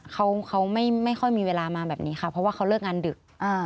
เขาไม่ค่อยมีเวลามาแบบนี้ค่ะเพราะว่าเขาเลิกงานดึก